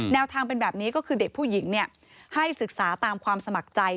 แนวทางเป็นแบบนี้ก็คือเด็กผู้หญิงให้ศึกษาตามความสมัครใจ